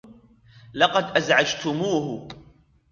لقد أزعجتموه.